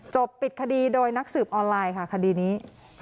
ปิดคดีโดยนักสืบออนไลน์ค่ะคดีนี้